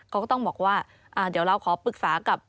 เขาก็ต้องบอกว่าเดี๋ยวเราขอปรึกษากับ